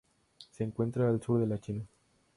Se encuentra al sur de la China.